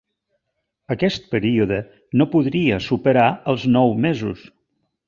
Aquest període no podria superar els nou mesos.